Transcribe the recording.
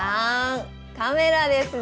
カメラですね。